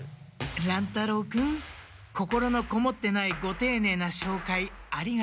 乱太郎君心のこもってないごていねいなしょうかいありがとう。